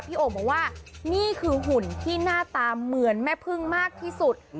โอ่งบอกว่านี่คือหุ่นที่หน้าตาเหมือนแม่พึ่งมากที่สุด